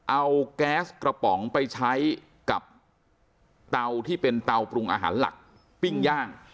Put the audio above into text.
เอาแก๊สกระป๋องไปใช้กับเตาที่เป็นเตาปรุงอาหารหลักปิ้งย่าง